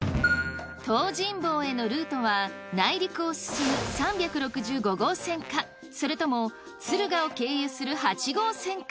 東尋坊へのルートは内陸を進む３６５号線かそれとも敦賀を経由する８号線か？